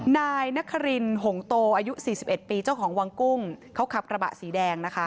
นายนครินหงโตอายุ๔๑ปีเจ้าของวังกุ้งเขาขับกระบะสีแดงนะคะ